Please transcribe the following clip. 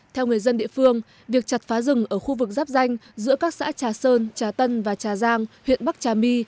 theo người dân địa phương việc chặt phá rừng ở khu vực giáp danh giữa các xã trà sơn trà tân và trà giang huyện bắc trà my